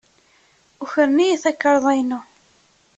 Ukren-iyi takarḍa-inu.